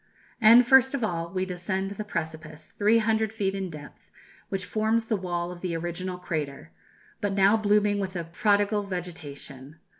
And, first of all, we descend the precipice, 300 feet in depth, which forms the wall of the original crater, but now blooming with a prodigal vegetation.